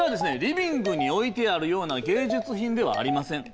リビングに置いてあるような芸術品ではありません。